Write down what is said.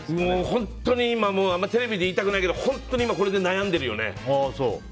本当に今、あんまりテレビで言いたくないけど本当に今、これで悩んでるよね。